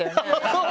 そう？